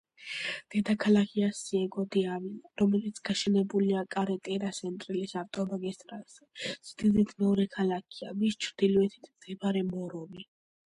დედაქალაქია სიეგო-დე-ავილა, რომელიც გაშენებულია კარეტერა-სენტრალის ავტომაგისტრალზე, სიდიდით მეორე ქალაქია მის ჩრდილოეთით მდებარე მორონი.